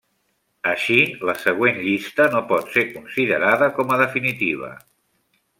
Així, la següent llista no pot ser considerada com a definitiva.